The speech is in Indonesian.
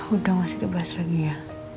udah masih bebas lagi ya